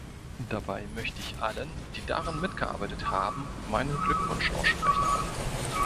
Dabei möchte ich allen, die daran mitgearbeitet haben, meinen Glückwunsch aussprechen.